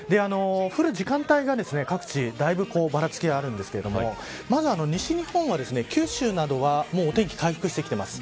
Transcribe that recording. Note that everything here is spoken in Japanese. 降る時間帯が各地だいぶ、ばらつきがあるんですがまず、西日本は、九州などはもうお天気が回復してきています。